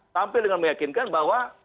tampil dengan meyakinkan bahwa